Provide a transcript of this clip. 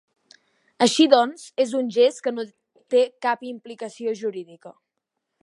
Així doncs, és un gest que no té cap implicació jurídica.